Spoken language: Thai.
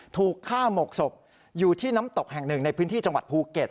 ถูกฆ่าหมกศพอยู่ที่น้ำตกแห่งหนึ่งในพื้นที่จังหวัดภูเก็ต